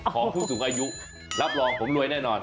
ของผู้สูงอายุรับรองผมรวยแน่นอน